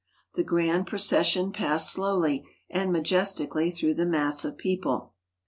The grand procession passed slowly and majestically through the mass of people.